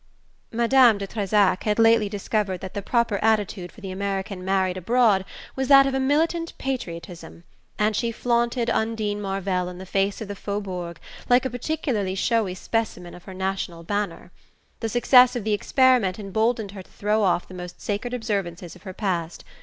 Madame de Trezac had lately discovered that the proper attitude for the American married abroad was that of a militant patriotism; and she flaunted Undine Marvell in the face of the Faubourg like a particularly showy specimen of her national banner. The success of the experiment emboldened her to throw off the most sacred observances of her past.